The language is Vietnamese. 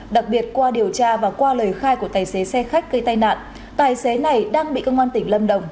đặc biệt qua điều tra và qua lời khai của tài xế xe khách gây tai nạn tài xế này đang bị công an tỉnh lâm đồng